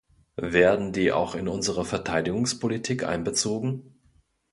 Werden die auch in unsere Verteidigungspolitik einbezogen?